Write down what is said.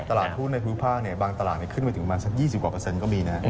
ตลาดภูมิภาคบางตลาดขึ้นมาสัก๒๐กว่าเปอร์เซ็นต์ก็มีนะครับ